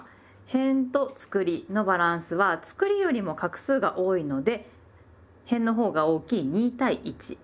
へんとつくりのバランスはつくりよりも画数が多いのでへんのほうが大きい２対１の比率になります。